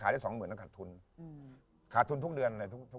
ต้องหาทุนทุกเดือน